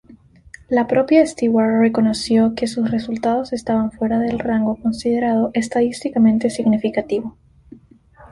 La propia Stewart reconoció que sus resultados estaban fuera del rango considerado estadísticamente significativo.